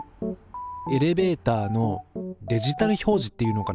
エレベーターのデジタル表示っていうのかな。